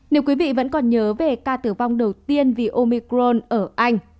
nếu quý vị vẫn còn nhớ về ca tử vong đầu tiên vì omicron ở anh